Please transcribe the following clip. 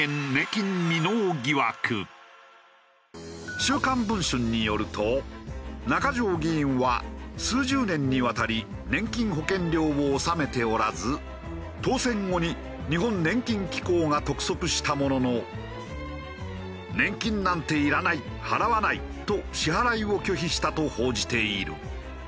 『週刊文春』によると中条議員は数十年にわたり年金保険料を納めておらず当選後に日本年金機構が督促したものの「年金なんていらない」「払わない」と支払いを拒否したと報じている。